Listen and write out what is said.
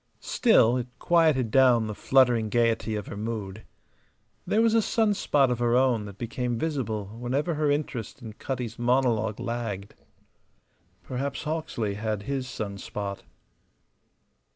Still, it quieted down the fluttering gayety of her mood. There was a sun spot of her own that became visible whenever her interest in Cutty's monologue lagged. Perhaps Hawksley had his sun spot.